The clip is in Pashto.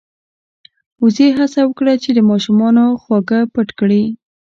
وزې هڅه وکړه چې د ماشومانو خواږه پټ کړي.